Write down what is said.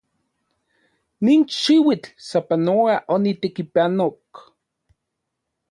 Nin xiuitl sapanoa onitekipanok.